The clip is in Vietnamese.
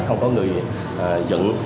không có người dẫn